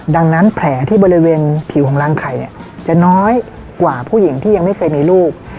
ดังนั้นแผลที่บริเวณผิวของรังไข่เนี่ยจะน้อยกว่าผู้หญิงที่ยังไม่เคยมีลูก